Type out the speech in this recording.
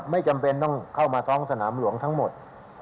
ไม่จำเป็นต้องเข้ามาท้องสนามหลวงทั้งหมด